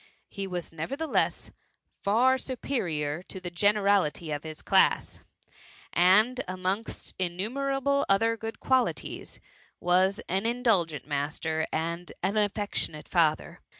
He was nevertheless far superior to the gene rality of his class, and amongst innumerable other good qualities,, was an indulgent master and an affectionate father.